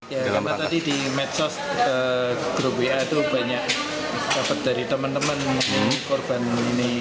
ya karena tadi di medsos grup wa itu banyak dapat dari teman teman korban ini